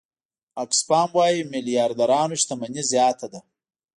آکسفام وايي میلیاردرانو شتمني زیاته ده.